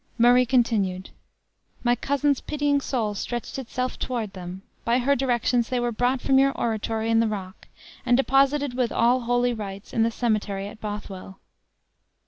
Murray continued: "My cousin's pitying soul stretched itself toward them; by her directions they were brought from your oratory in the rock, and deposited, with all holy rites, in the cemetery at Bothwell."